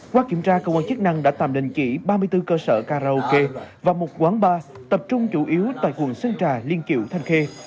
qua kiểm tra cơ quan chức năng đã tạm đình chỉ ba mươi bốn cơ sở karaoke và một quán bar tập trung chủ yếu tại quận sơn trà liên kiểu thanh khê